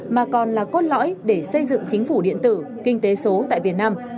mà còn là cốt lõi để xây dựng chính phủ điện tử kinh tế số tại việt nam